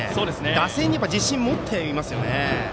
打線に自信を持っていますよね。